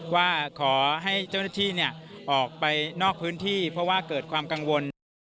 ว่าขอให้เจ้าหน้าที่ออกไปนอกพื้นที่เพราะว่าเกิดความกังวลนะครับ